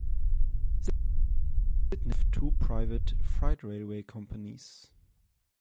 Sydney is home to two private freight railway companies.